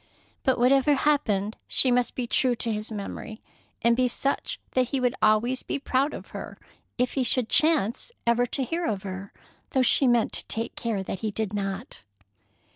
But whatever happened, she must be true to his memory, and be such that he would always be proud of her if he should chance ever to hear of her, though she meant to take care that he did not.